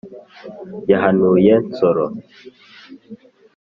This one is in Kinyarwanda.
yahanuye nsoro,